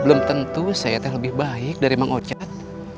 belum tentu saya yang lebih baik dari mang ucet